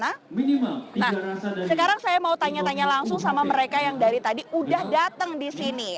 nah sekarang saya mau tanya tanya langsung sama mereka yang dari tadi udah datang di sini